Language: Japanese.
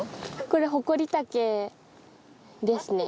これホコリタケですね。